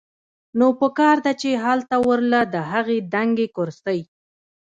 نو پکار ده چې هلته ورله د هغې دنګې کرسۍ